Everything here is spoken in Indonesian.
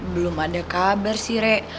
belum ada kabar sih rek